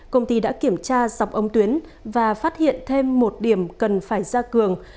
công ty đã kiểm tra dọc ống tuyến và phát hiện thêm một điểm cần phải gia cường